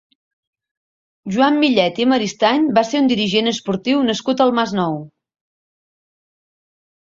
Joan Millet i Maristany va ser un dirigent esportiu nascut al Masnou.